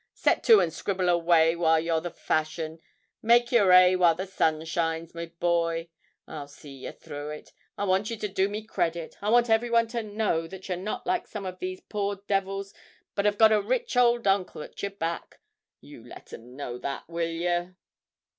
Set to and scribble away while you're the fashion; make your 'ay while the sun shines, my boy. I'll see yer through it. I want you to do me credit. I want everyone to know that you're not like some of these poor devils, but have got a rich old uncle at your back. You let 'em know that, will yer?'